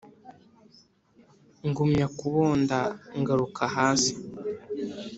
ngumya kubonda ngaruka hasi